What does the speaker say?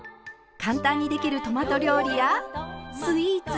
簡単にできるトマト料理やスイーツ。